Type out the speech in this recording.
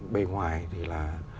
bề ngoài thì là